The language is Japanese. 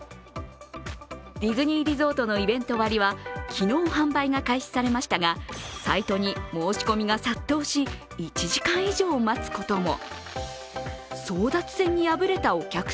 ディズニーリゾートのイベント割は昨日販売が開始されましたが、サイトに申し込みが殺到し、１時間以上待つことも。